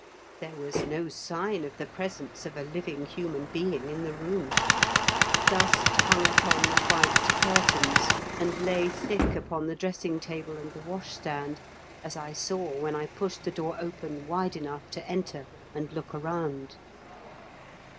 There was no sign of the presence of a living human being in the room. Dust hung upon the white curtains, and lay thick upon the dressing table and the washstand, as I saw when I pushed the door open wide enough to enter and look around.